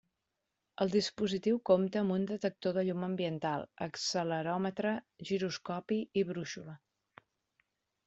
El dispositiu compta amb detector de llum ambiental, acceleròmetre, giroscopi i brúixola.